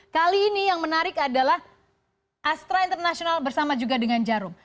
kali ini yang menarik adalah astra international bersama juga dengan jarum